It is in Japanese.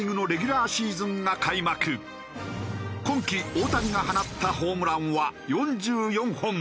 今季大谷が放ったホームランは４４本。